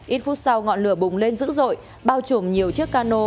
ít phút sau ngọn lửa bùng lên dữ dội bao trùm nhiều chiếc cano